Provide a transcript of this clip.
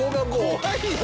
怖い。